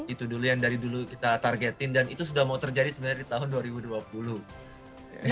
itu dulu yang dari dulu kita targetin dan itu sudah mau terjadi sebenarnya di tahun dua ribu dua puluh